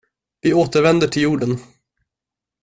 Vi återvänder till jorden.